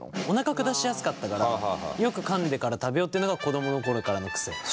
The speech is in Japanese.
おなか下しやすかったからよくかんでから食べようっていうのが子供の頃からの癖。